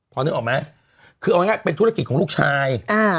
พอนึกออกไหมคือเอาง่ายเป็นธุรกิจของลูกชาย